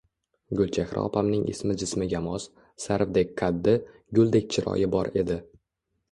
Gulchehra opamning ismi jismiga mos, sarvdek qaddi, guldek chiroyi bor edi